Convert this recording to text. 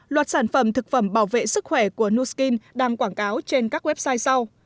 loạt sản phẩm thực phẩm bảo vệ sức khỏe của nuskin đang quảng cáo trên các website sau